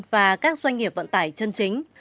và các doanh nghiệp vận tải chân chính